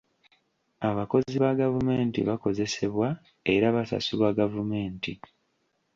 Abakozi ba gavumenti bakozesebwa era basasulwa gavumenti.